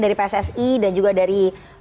dari pssi dan juga dari